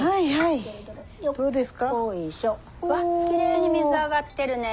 わっきれいに水上がってるね。